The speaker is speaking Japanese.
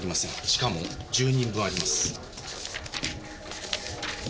しかも１０人分あります。